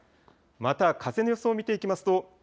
また風の予想を見ていきますと